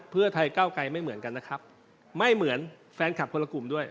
เพื่อไทยเก้าไกลไม่เหมือนกันนะครับไม่เหมือนแฟนคลับคนละกลุ่มด้วย